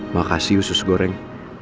makasih usus goreng